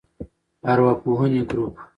ارواپوهنې ګروپ